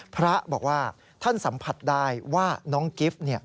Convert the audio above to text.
พระบอกว่าท่านสัมผัสได้ว่าน้องกิฟต์